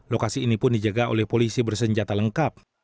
lokasi ini pun dijaga oleh polisi bersenjata lengkap